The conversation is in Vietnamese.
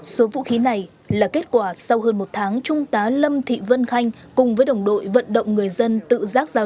số vũ khí này là kết quả sau hơn một tháng trung tá lâm thị vân khanh cùng với đồng đội vận động người dân tự giác giao